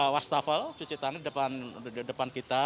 wastafel cuci tanah di depan kita